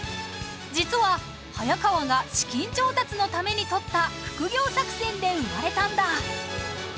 実は早川が資金調達のために取った副業作戦で生まれたんだ